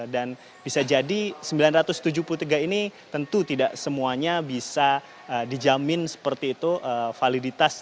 dan bisa jadi sembilan ratus tujuh puluh tiga ini tentu tidak semuanya bisa dijamin seperti itu validitas